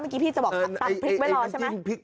ไม่ต้องทำพริกไว้ร้อยใช่ไหม